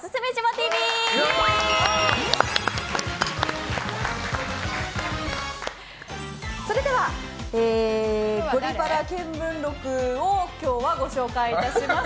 ＴＶそれでは、「ゴリパラ見聞録」を今日はご紹介いたします。